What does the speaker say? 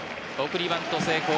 送りバント成功。